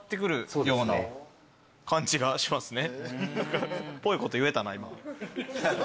感じがしますね。